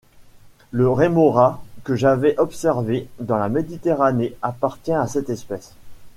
Le rémora, que j’avais observé dans la Méditerranée, appartient à cette espèce.